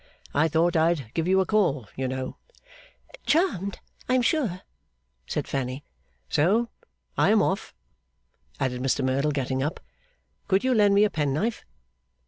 I thought I'd give you a call, you know.' 'Charmed, I am sure,' said Fanny. 'So I am off,' added Mr Merdle, getting up. 'Could you lend me a penknife?